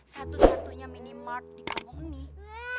tentu satunya minimal dikomunikasi